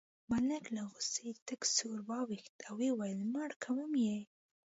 ملک له غوسې تک سور واوښت او وویل مړ کوم یې.